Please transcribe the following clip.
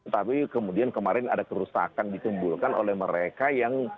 tapi kemudian kemarin ada kerusakan ditimbulkan oleh mereka yang